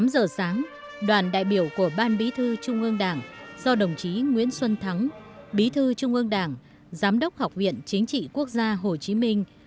tám giờ sáng đoàn đại biểu của ban bí thư trung ương đảng do đồng chí nguyễn xuân thắng bí thư trung ương đảng giám đốc học viện chính trị quốc gia hồ chí minh